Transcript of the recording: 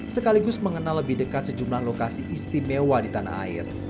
sekaligus mengenal lebih dekat sejumlah lokasi istimewa di tanah air